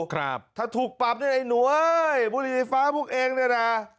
ครับถ้าถูกปรับเนี่ยไอ้หนูเอ้ยบุหรี่ไฟฟ้าพวกเองเนี่ยนะ